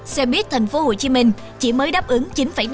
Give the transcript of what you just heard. xe buýt thành phố hồ chí minh chỉ mới đáp ứng